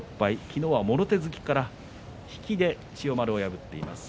昨日はもろ手突きから引きで千代丸を破っています。